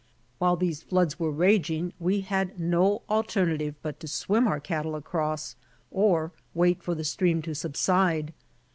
While these .floods were raging, we had no alternative but to swim our cattle across or wait for the stream to subside.